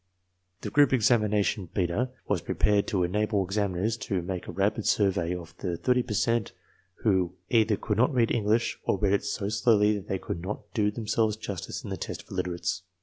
The group examination beta was prepared to enable examiners to make a rapid survey of the 30 per cent who either could not read English or read it so slowly that they could not do themselves justice in the test for literates.